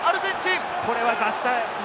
これは出したい！